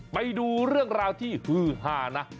ไปดูเรื่องราวที่ฮือหานะ